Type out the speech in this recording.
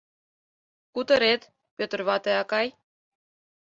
— Кутырет, Пӧтыр вате акай?